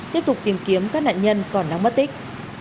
tiếp tục tìm kiếm các nạn nhân còn đang mất tích